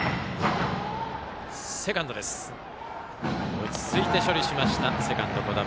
落ち着いて処理しましたセカンド、児玉。